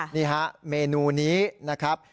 นี่ฮะเมนูนี้นะครับ